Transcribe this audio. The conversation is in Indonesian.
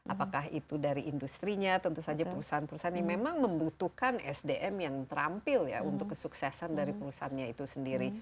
apakah itu dari industri nya tentu saja perusahaan perusahaan yang memang membutuhkan sdm yang terampil ya untuk kesuksesan dari perusahaannya itu sendiri